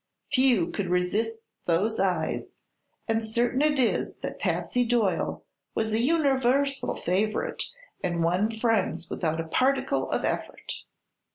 Few could resist those eyes, and certain it is that Patsy Doyle was a universal favorite and won friends without a particle of effort.